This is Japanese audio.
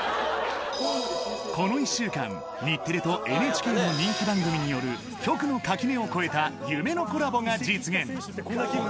この１週間、日テレとＮＨＫの人気番組による、局の垣根を越えた夢のコラボが実現。